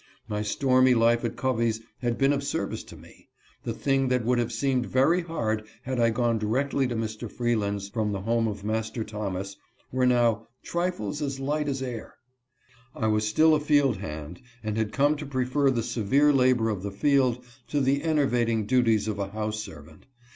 My stormy life at Covey's had been of service to me. The things that would have seemed very hard had I gone directly to Mr. Freeland's from the home of Master Thomas, were now " trifles light as air." I was still a field hand, and had come to prefer the severe labor of the field to the enervating duties of a house servant.